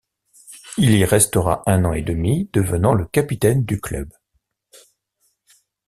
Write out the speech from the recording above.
Il y restera un an et demi devenant le capitaine du club.